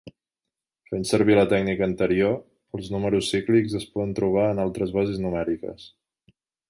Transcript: Fent servir la tècnica anterior, els números cíclics es poden trobar en altres bases numèriques.